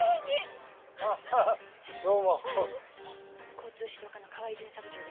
交通指導課の河合巡査部長です。